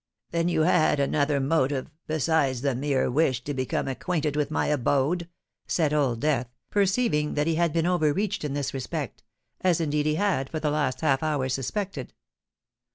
"Then you had another motive, besides the mere wish to become acquainted with my abode?" said Old Death, perceiving that he had been over reached in this respect—as indeed he had for the last half hour suspected.